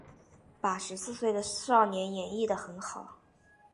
把十四岁的少年演绎的很好